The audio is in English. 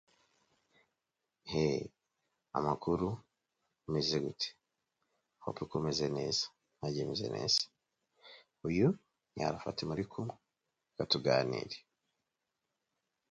The Chittenden Reservoir is a popular regional swimming and boating area.